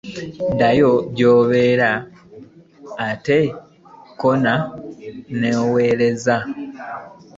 Ddyo y’abega ate kkono n’aweereza.